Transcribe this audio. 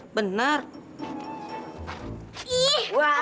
kamu harus jadi suami aku